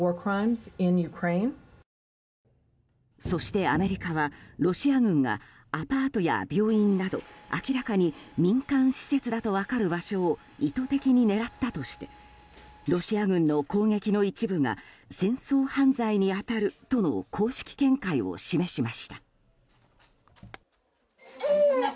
そしてアメリカはロシア軍がアパートや病院など明らかに民間施設だと分かる場所を意図的に狙ったとしてロシア軍の攻撃の一部が戦争犯罪に当たるとの公式見解を示しました。